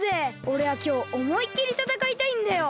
おれはきょうおもいっきりたたかいたいんだよ！